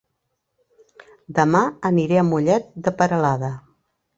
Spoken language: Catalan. Dema aniré a Mollet de Peralada